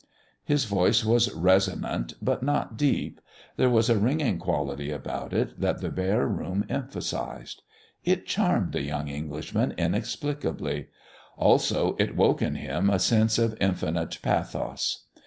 His voice was resonant, yet not deep. There was a ringing quality about it that the bare room emphasised. It charmed the young Englishman inexplicably. Also, it woke in him a sense of infinite pathos.